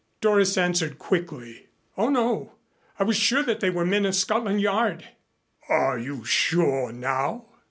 Doris answered quickly. "Oh, no. I was sure that they were men of Scotland Yard." "Are you sure now?"